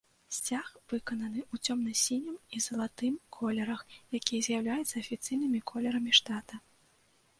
Сцяг выкананы ў цёмна-сінім і залатым колерах, якія з'яўляюцца афіцыйнымі колерамі штата.